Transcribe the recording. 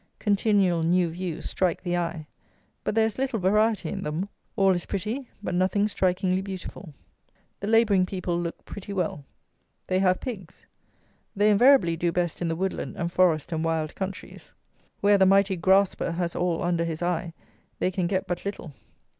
Continual new views strike the eye; but there is little variety in them: all is pretty, but nothing strikingly beautiful. The labouring people look pretty well. They have pigs. They invariably do best in the woodland and forest and wild countries. Where the mighty grasper has all under his eye, they can get but little.